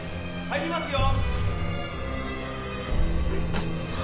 入りますよ？